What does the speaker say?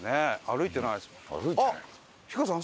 歩いてないですもん。